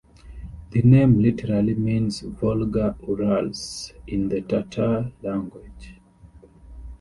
The name literally means "Volga-Urals" in the Tatar language.